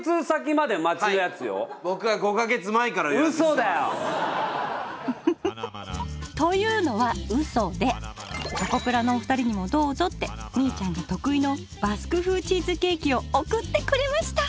うそだよ。というのはうそでチョコプラのお二人にもどうぞってみいちゃんが得意のバスク風チーズケーキを送ってくれました！